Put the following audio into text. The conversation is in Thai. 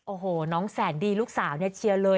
โอ้โหน้องแสนดีลูกสาวเนี่ยเชียร์เลย